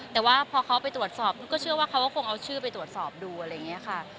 แต่ว่าพอเขาไปตรวจสอบก็เชื่อว่าเขาก็คงเอาชื่อไปตรวจสอบดูอะไรอย่างนี้ค่ะ